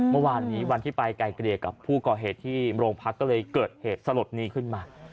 เมื่อวานนี้วันที่ไปไกลเกลี่ยกับผู้ก่อเหตุที่โรงพักก็เลยเกิดเหตุสลดนี้ขึ้นมา